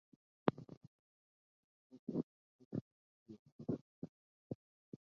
তার পাঁচ মাস পর তার অভিষেক শুরু হিয়।